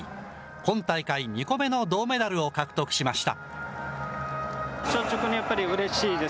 今大会２個目の銅メダルを獲得しました。